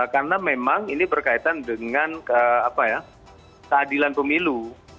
karena memang ini berkaitan dengan keadilan pemilu